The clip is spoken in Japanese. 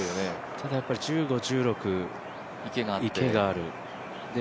ただやっぱり１５、１６、池がある。